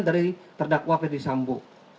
dari terdakwa fethi sambo